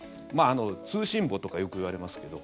通信簿とかよく言われますけど。